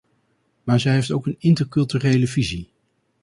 Maar zij heeft ook een interculturele visie.